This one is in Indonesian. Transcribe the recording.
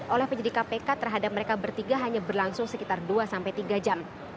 oleh penyidik kpk terhadap mereka bertiga hanya berlangsung sekitar dua sampai tiga jam